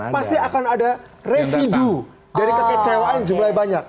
pasti akan ada residu dari kekecewaan jumlahnya banyak